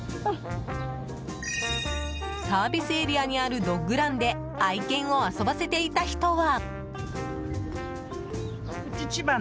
サービスエリアにあるドッグランで愛犬を遊ばせていた人は。